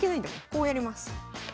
こうやります。